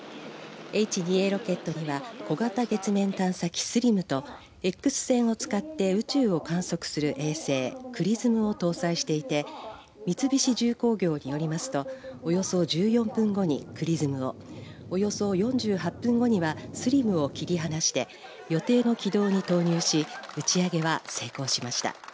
Ｈ２Ａロケットには小型月面探査機ＳＬＩＭとＸ線を使って宇宙を観測する衛星ＸＲＩＳＭを搭載していて三菱重工業によりますとおよそ１４分後にＸＲＩＳＭをおよそ４８分後にはＳＬＩＭを切り離して予定の軌道に投入し打ち上げは成功しました。